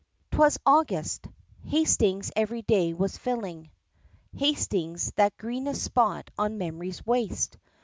'Twas August Hastings every day was filling Hastings, that "greenest spot on memory's waste"!